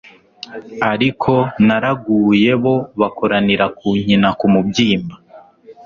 Ariko naraguye bo bakoranira kunkina ku mubyimba